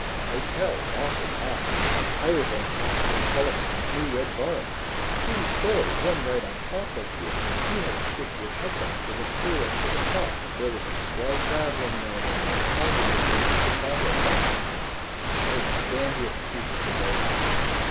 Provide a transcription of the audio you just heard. A hotel, awful high, higher than Oscar Tollefson's new red barn; three stories, one right on top of another; you had to stick your head back to look clear up to the top. There was a swell traveling man in there probably been to Chicago, lots of times. Oh, the dandiest people to know here!